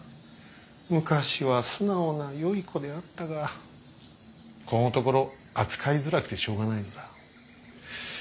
昔は素直なよい子であったがこのところ扱いづらくてしょうがないのだ。